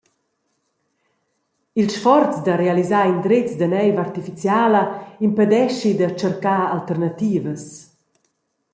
Il sforz da realisar indrezs da neiv artificiala impedeschi da tschercar alternativas.